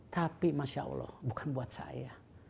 tapi masya allah bukan buat saya